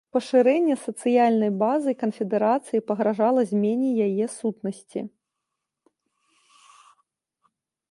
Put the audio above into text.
Пашырэнне сацыяльнай базы канфедэрацыі пагражала змене яе сутнасці.